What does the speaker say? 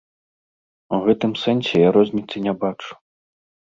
У гэтым сэнсе я розніцы не бачу.